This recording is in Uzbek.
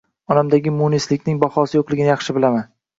Onamdagi munislikning bahosi yo`qligini yaxshi bilaman